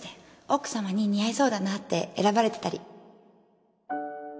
奥さまに似合いそうだなって選ばれてたり